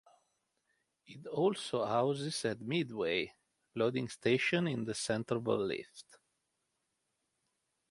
It also houses a "midway" loading station in the center of the lift.